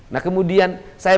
nah kemudian saya